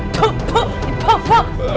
tuh tuh tuh tuh